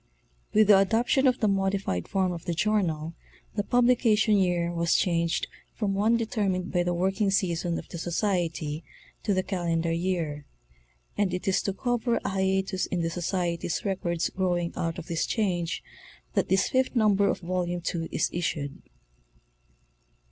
With the adoption of the modified form of the journal the publication year was changed from one determined by the work _ ing season of the Society to the calendar year ; and it is to cover a hiatus in the Soctmry's records growing out of this change that this fifth number of Volume II is issued.